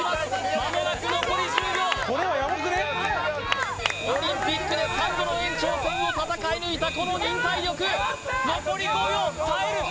まもなく残り１０秒オリンピックで３度の延長戦を戦い抜いたこの忍耐力残り５秒耐える